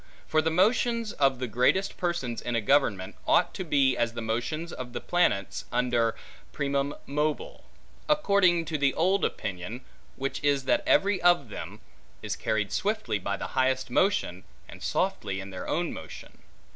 For the motions of the greatest persons in a government, ought to be as the motions of the planets under primum mobile; according to the old opinion: which is, that every of them, is carried swiftly by the highest motion, and softly in their own motion.